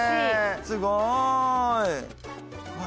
すごい！あ。